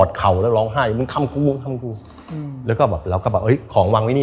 ใช่